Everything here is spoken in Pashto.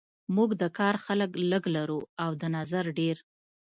موږ د کار خلک لږ لرو او د نظر ډیر